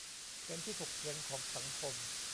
เป็นที่ถกเถียงของสังคม